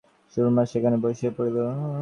সুরমা সেইখানে বসিয়া পড়িল।